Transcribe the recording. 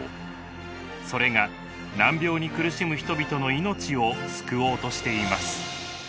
それが難病に苦しむ人々の命を救おうとしています。